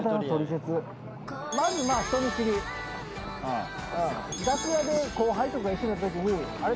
まずまあ人見知り楽屋で後輩とか一緒になった時にあれ？